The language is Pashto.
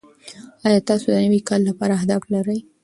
ایا تاسو د نوي کال لپاره اهداف لرئ؟